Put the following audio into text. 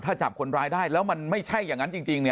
ถ้าจับคนร้ายได้แล้วมันไม่ใช่อย่างนั้นจริง